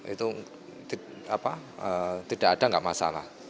itu tidak ada tidak masalah